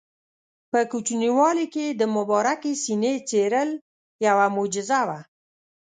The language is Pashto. په کوچنیوالي کې یې د مبارکې سینې څیرل یوه معجزه وه.